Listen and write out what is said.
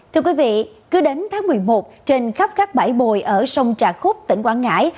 thưa quý vị cứ đến tháng một mươi một trên khắp các bãi bồi ở sông trà khúc tỉnh quảng ngãi